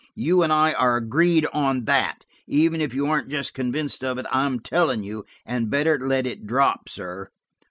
You and I are agreed on that. Even if you aren't just convinced of it I'm telling you, and–better let it drop, sir."